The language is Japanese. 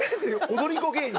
踊り子芸人？